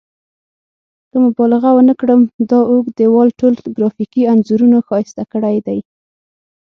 که مبالغه ونه کړم دا اوږد دیوال ټول ګرافیکي انځورونو ښایسته کړی دی.